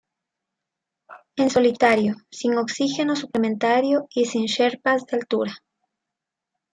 En solitario, sin oxígeno suplementario y sin Sherpas de altura.